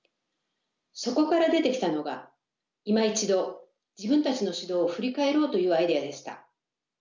そこから出てきたのが今一度自分たちの指導を振り返ろうというアイデアでした。